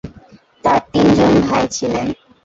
তার তিনজন ভাই ছিলেন।